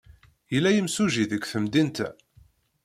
Yella yimsujji deg temdint-a?